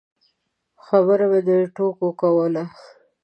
خبره مې د ټوکو کوله.